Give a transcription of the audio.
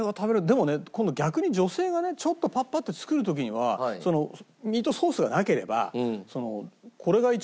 でもね今度逆に女性がねちょっとパッパッて作る時にはミートソースがなければこれが一番簡単にできるんだよ。